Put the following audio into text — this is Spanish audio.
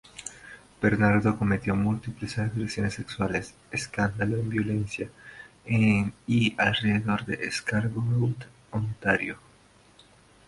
Bernardo cometió múltiples agresiones sexuales, escalando en violencia, en y alrededor de Scarborough, Ontario.